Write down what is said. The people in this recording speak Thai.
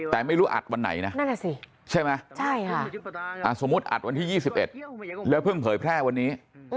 แต่ไม่รู้อัดวันไหนนะใช่ไหมสมมุติอัดวันที่๒๑แล้วเพิ่งเผยแพร่วันนี้